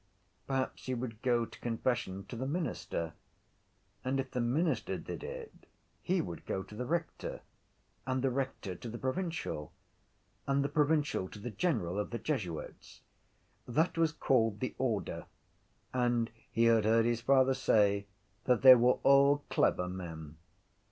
Perhaps he would go to confession to the minister. And if the minister did it he would go to the rector: and the rector to the provincial: and the provincial to the general of the jesuits. That was called the order: and he had heard his father say that they were all clever men.